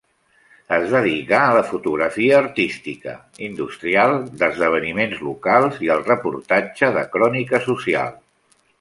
Es dedicà a la fotografia artística, industrial, d’esdeveniments locals i al reportatge de crònica social.